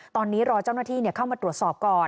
ตอนนี้รอเจ้าหน้าที่เข้ามาตรวจสอบก่อน